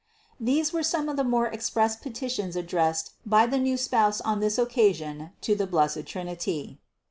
These were some of the more express petitions addressed by the new Spouse on this occasion to the blessed Trinity.